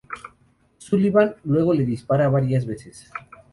Sullivan luego le dispara varias veces.